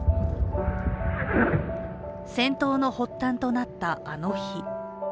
戦闘の発端となったあの日。